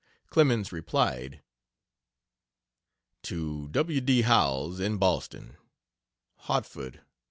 Clemens replied: To W. D. Howells, in Boston: H't'f'd.